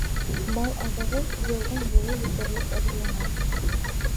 Мал аҙығы йылдың-йылы етерлек әҙерләнә.